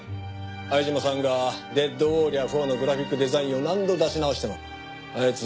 相島さんが『デッドウォーリア４』のグラフィックデザインを何度出し直しても「はい次。